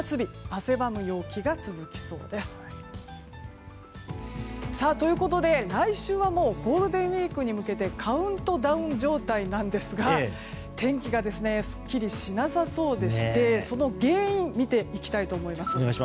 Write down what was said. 汗ばむ陽気が続きそうです。ということで来週はもうゴールデンウィークに向けてカウントダウン状態なんですが天気がすっきりしなさそうでしてその原因を見ていきたいと思います。